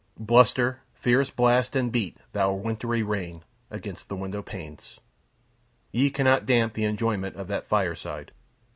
Bluster, fierce blast, and beat, thou wintry rain, against the window panes! Ye cannot damp the enjoyment of that fireside.